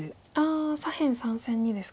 左辺３線にですか。